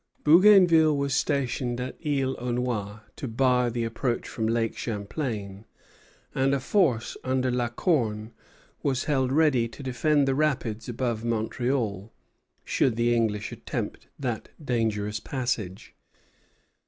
Bougainville was stationed at Isle aux Noix to bar the approach from Lake Champlain, and a force under La Corne was held ready to defend the rapids above Montreal, should the English attempt that dangerous passage.